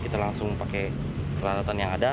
kita langsung pakai peralatan yang ada